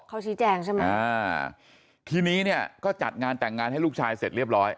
เขาชี้แจงใช่ไหมอ่าทีนี้เนี่ยก็จัดงานแต่งงานให้ลูกชายเสร็จเรียบร้อย